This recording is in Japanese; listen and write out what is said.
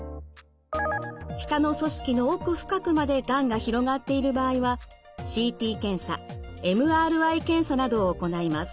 舌の組織の奥深くまでがんが広がっている場合はＣＴ検査ＭＲＩ検査などを行います。